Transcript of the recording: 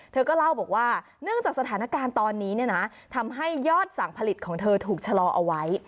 เธอก็เล่าบอกว่าเนื่องจากสถานการณ์ตอนนี้ทำให้ยอดสั่งผลิตของเธอถูกชะลอเอาไว้